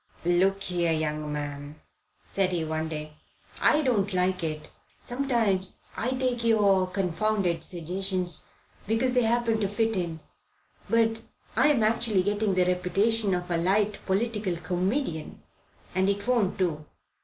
"Look here, young man," said he one day, "I don't like it. Sometimes I take your confounded suggestions, because they happen to fit in; but I'm actually getting the reputation of a light political comedian, and it won't do."